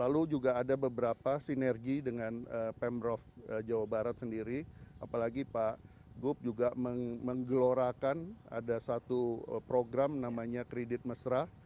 lalu juga ada beberapa sinergi dengan pemprov jawa barat sendiri apalagi pak gup juga menggelorakan ada satu program namanya kredit mesra